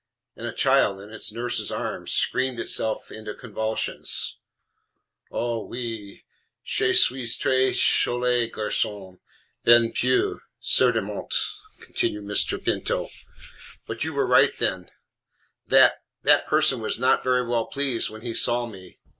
and a child, in its nurse's arms, screamed itself into convulsions. "Oh, oui, che suis tres choli garcon, bien peau, cerdainement," continued Mr. Pinto; "but you were right. That that person was not very well pleased when he saw me.